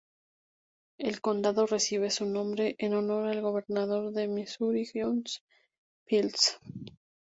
El condado recibe su nombre en honor al Gobernador de Misuri John S. Phelps.